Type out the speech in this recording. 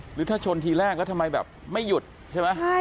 หรือถ้าชนทีแรกแล้วทำไมแบบไม่หยุดใช่ไหม